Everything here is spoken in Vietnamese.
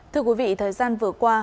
thưa quý vị thời gian vừa qua